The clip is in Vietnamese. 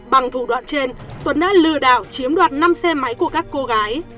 bằng thủ đoạn trên tuấn đã lừa đảo chiếm đoạt năm xe máy của các cô gái